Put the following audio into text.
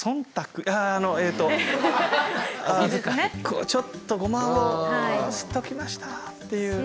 こうちょっとゴマをすっときましたっていう。